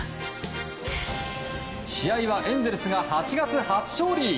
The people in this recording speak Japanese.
試合はエンゼルスが８月初勝利。